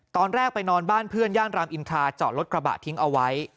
ตอนแรกไปนอนบ้านเพื่อนย่านรามอินทราจอดรถกระบะทิ้งเอาไว้